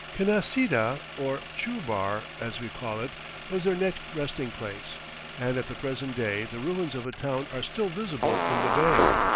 Canasida, or Churbar as we call it, was their next resting place, and at the present day the ruins of a town are still visible in the bay.